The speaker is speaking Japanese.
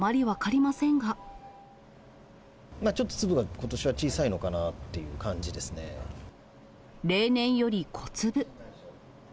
ちょっと粒が、ことしは小さ例年より小粒。